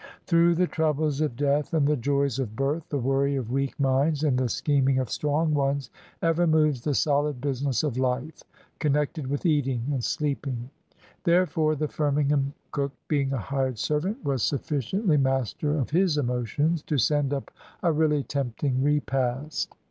Through the troubles of death and the joys of birth, the worry of weak minds and the scheming of strong ones, ever moves the solid business of life connected with eating and sleeping. Therefore the Firmingham cook, being a hired servant, was sufficiently master of his emotions to send up a really tempting repast.